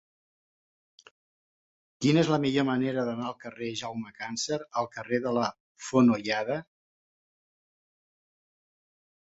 Quina és la millor manera d'anar del carrer de Jaume Càncer al carrer de la Fonolleda?